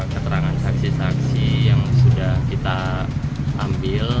keterangan saksi saksi yang sudah kita ambil